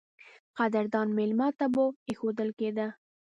قدردان مېلمه ته به اېښودل کېده.